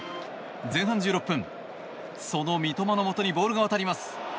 前半１６分、その三笘のもとにボールが渡ります。